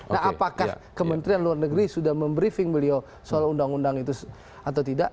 nah apakah kementerian luar negeri sudah membriefing beliau soal undang undang itu atau tidak